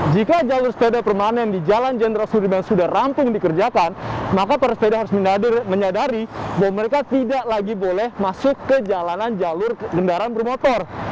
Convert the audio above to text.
jika jalur sepeda permanen di jalan jenderal sudirman sudah rampung dikerjakan maka para sepeda harus menyadari bahwa mereka tidak lagi boleh masuk ke jalanan jalur kendaraan bermotor